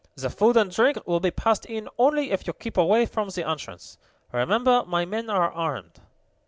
"The food and drink will be passed in only if you keep away from the entrance. Remember my men are armed!"